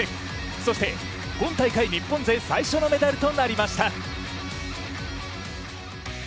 そして今大会日本勢最初のメダルとなりました。